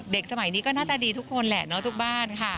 สมัยนี้ก็หน้าตาดีทุกคนแหละเนาะทุกบ้านค่ะ